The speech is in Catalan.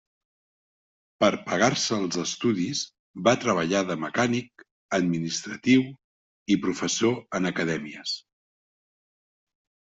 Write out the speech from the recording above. Per pagar-se els estudis va treballar de mecànic, administratiu i professor en acadèmies.